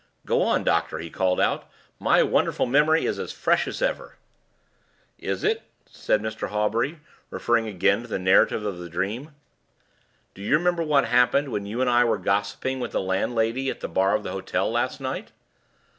"Go on, doctor!" he called out; "my wonderful memory is as fresh as ever." "Is it?" said Mr. Hawbury, referring again to the narrative of the dream. "Do you remember what happened when you and I were gossiping with the landlady at the bar of the hotel last night?"